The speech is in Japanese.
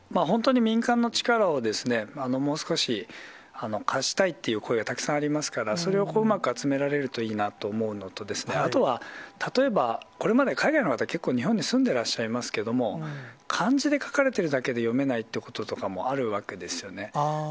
本当に民間の力を、もう少し貸したいという声がたくさんありますから、それをうまく集められるといいなと思うのと、あとは例えば、これまで海外の方、結構日本に住んでらっしゃいますけれども、漢字で書かれているだけで読めないってこととかもあるわけですよね。